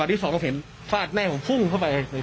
วันที่สองผมเห็นฟาดแหน่ห่วงพุ่งเข้าไป